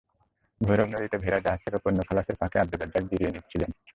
ভৈরব নদে ভেড়া জাহাজ থেকে পণ্য খালাসের ফাঁকে আবদুর রাজ্জাক জিরিয়ে নিচ্ছিলেন।